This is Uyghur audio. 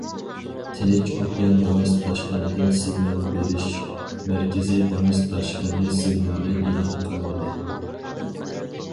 تىنچ ئوكيان دېڭىز تاشقىنىدىن سىگنال بېرىش مەركىزى دېڭىز تاشقىنى سىگنالى ئېلان قىلمىدى.